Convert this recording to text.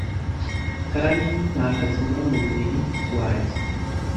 kandi nta hazima mu mubiri wanjye